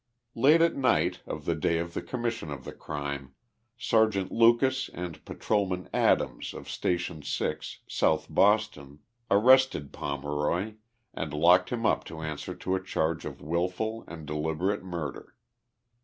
Late at night, of the day of the commission of the crime. Sergeant Lucas and Patrolman Adams of Station 6, South Bos 34 THE LIFE OF JESSE HARDIXG POMEROY. ton. arrested Pomeroy and locked him up to answer to a charge of willful and deliberate murder.